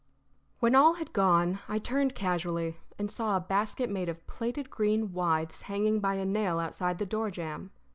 When all had gone, I turned casually and saw a basket made of plaited green withes hanging by a nail outside the door jamb.